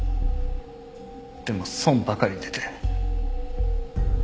でも損ばかり出て。